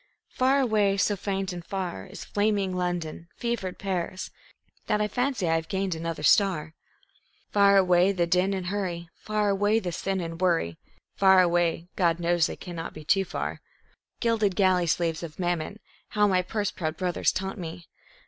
Far away, so faint and far, is flaming London, fevered Paris, That I fancy I have gained another star; Far away the din and hurry, far away the sin and worry, Far away God knows they cannot be too far. Gilded galley slaves of Mammon how my purse proud brothers taunt me!